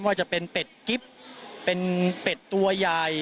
ว่าจะเป็นเป็ดกิ๊บเป็นเป็ดตัวใหญ่